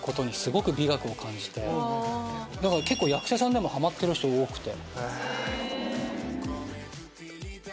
結構役者さんでもハマってる人多くて。